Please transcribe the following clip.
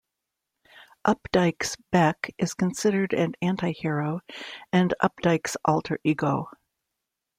Updike's Bech is considered an antihero, and Updike's alter-ego.